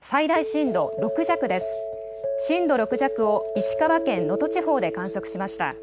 震度６弱を石川県能登地方で観測しました。